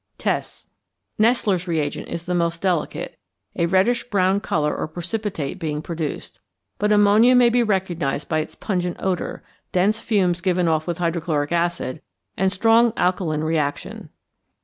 Tests. Nessler's reagent is the most delicate, a reddish brown colour or precipitate being produced, but ammonia may be recognized by its pungent odour, dense fumes given off with hydrochloric acid, and strong alkaline reaction.